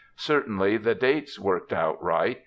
Certainly, the dates worked out right.